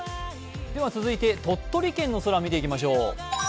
続いて鳥取県の空を見ていきましょう。